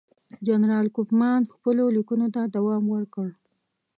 جنرال کوفمان خپلو لیکونو ته دوام ورکړ.